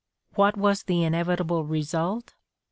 What was the inevitable result?